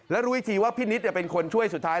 แล้วรู้อีกทีว่าพี่นิดเป็นคนช่วยสุดท้าย